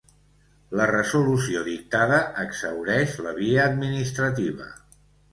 La resolució dictada exhaureix la via administrativa.